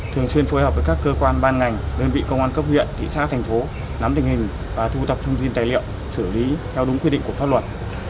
thường xuyên phối hợp với các cơ quan ban ngành đơn vị công an cấp huyện kỹ xác thành phố nắm tình hình và thu tập thông tin tài liệu xử lý theo đúng quyết định của pháp luật